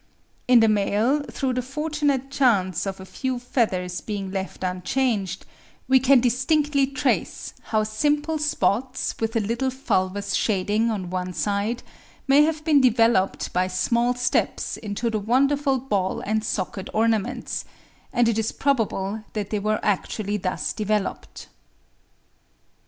In the male through the fortunate chance of a few feathers being left unchanged, we can distinctly trace how simple spots with a little fulvous shading on one side may have been developed by small steps into the wonderful ball and socket ornaments; and it is probable that they were actually thus developed.